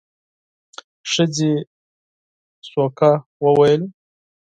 ښځې ورو وويل: